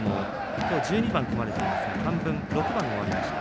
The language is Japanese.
きょう１２番組まれていますが半分、６番終わりました。